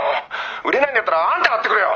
売れないんだったらあんた買ってくれよ！